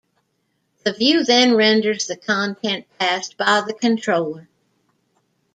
The view then renders the content passed by the controller.